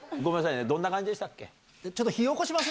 どんな感じでしたっけ？